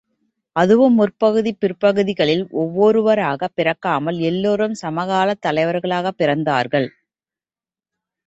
அதுவும் முற்பகுதி பிற்பகுதிகளில் ஒவ்வொருவராக பிறக்காமல் எல்லாரும் சம காலத் தலைவராகப் பிறந்தார்கள்.